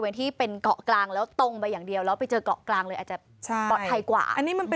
เดินไกลหน่อยแต่รักษาชีวิตไว้